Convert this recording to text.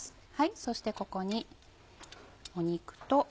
そしてここに肉と。